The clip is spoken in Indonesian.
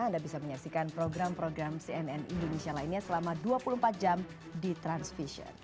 anda bisa menyaksikan program program cnn indonesia lainnya selama dua puluh empat jam di transvision